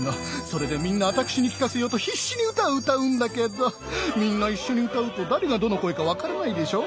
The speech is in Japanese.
それでみんなあたくしに聴かせようと必死に歌を歌うんだけどみんな一緒に歌うと誰がどの声か分からないでしょ？